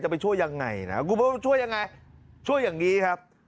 จะไปช่วยยังไงนะครับกู้ไพรต้องช่วยยังไงช่วยอย่างงี้ครับ